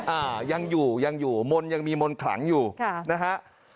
อ่ายังอยู่ยังอยู่มนต์ยังมีมนต์ขลังอยู่ค่ะนะฮะ